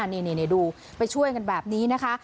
นี่ดูไปช่วยกันแบบนี้นะคะ